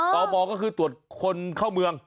ต่อมอก็คือตรวจคนเข้าเมือง